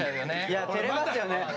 いやてれますよね！